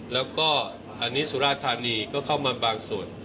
แล้วก็อันนี้สุราธานีก็เข้ามาบางส่วน